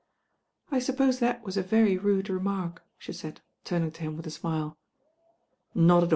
"I suppose that was a very rude remark," she said, tummg to him with a smile. "Not at aU.